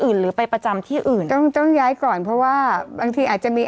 หรือไปประจำที่อื่นต้องต้องย้ายก่อนเพราะว่าบางทีอาจจะมี